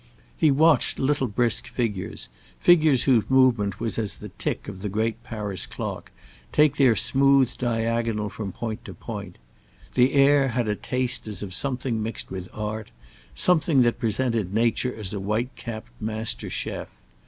He watched little brisk figures, figures whose movement was as the tick of the great Paris clock, take their smooth diagonal from point to point; the air had a taste as of something mixed with art, something that presented nature as a white capped master chef.